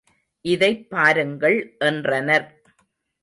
இதைப் பாருங்கள் என்றனர்.